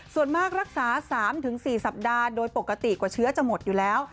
ส่วนมากรักษา๓๔สัปดาห์โดยปกติกว่าเชื้อจะหมดอยู่แล้ว